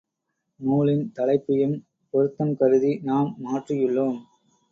நூலின் தலைப்பையும் பொருத்தம் கருதி நாம் மாற்றியுள்ளோம்.